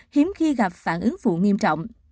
hiếm khi gặp phản ứng phụ nghiêm trọng